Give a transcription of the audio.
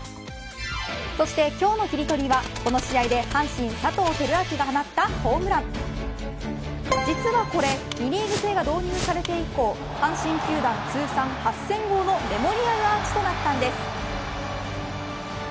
そして、今日のキリトリはこの試合で阪神、佐藤輝明が放ったホームラン実はこれ２リーグ制が導入されて以降阪神球団通算８０００号のメモリアルアーチとなったんです。